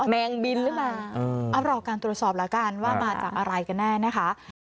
แมงบินหรือเปล่ารอการตรวจสอบแล้วกันว่ามาจากอะไรกันแน่นะคะ